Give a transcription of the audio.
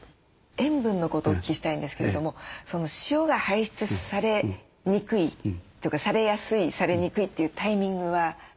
塩分のことをお聞きしたいんですけれども塩が排出されにくいとかされやすいされにくいというタイミングはあるものなんですね？